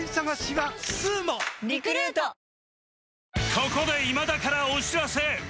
ここで今田からお知らせ